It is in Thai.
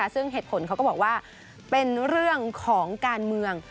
ซึ่งเหตุผลเขาก็บอกว่าเป็นเรื่องของการเมือง